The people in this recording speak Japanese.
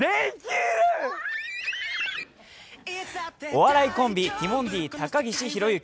お笑いコンビ、ティモンディ高岸宏行。